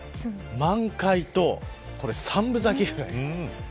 満開とこれ三分咲きぐらい。